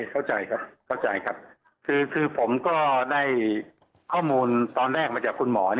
ขอเข้าใจคือผมก็ได้ข้อมูลตอนแรกมาจากคุณหมอ